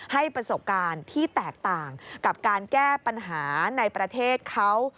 ให้ประสบการณ์ที่แตกต่างกับการแก้ปัญหาในประเทศเขา